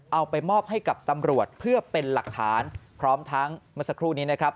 เอาไปมอบให้กับตำรวจเพื่อเป็นหลักฐานพร้อมทั้งเมื่อสักครู่นี้นะครับ